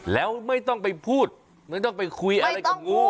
แล้วไม่ต้องไปพูดไม่ต้องไปคุยอะไรกับงู